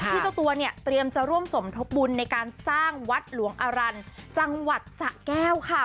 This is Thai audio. เจ้าตัวเนี่ยเตรียมจะร่วมสมทบบุญในการสร้างวัดหลวงอรันจังหวัดสะแก้วค่ะ